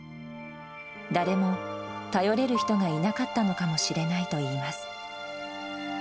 誰も頼れる人がいなかったのかもしれないといいます。